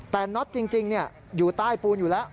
แต่น็อตจริงอยู่ใต้ปูนอยู่แล้ว